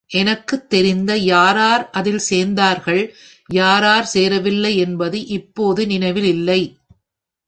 எனக்குத் தெரிந்த யாரார் அதில் சேர்ந்தார்கள், யாரார் சேரவில்லை என்பது இப்போது நினைவில் இல்லை.